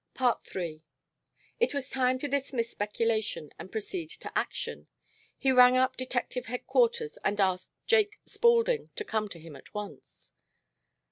III It was time to dismiss speculation and proceed to action. He rang up detective headquarters and asked Jake Spaulding to come to him at once.